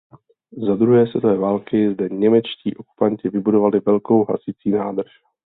Za druhé světové války zde němečtí okupanti vybudovali velkou hasicí nádrž.